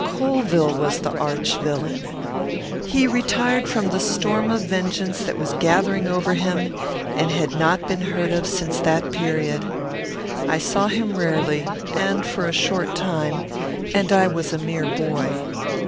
Colvill was the arch villain. He retired from the storm of vengeance that was gathering over him, and had not been heard of since that period. I saw him rarely, and for a short time, and I was a mere boy.